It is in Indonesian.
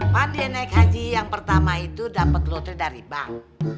pada naik haji yang pertama itu dapet loter dari bank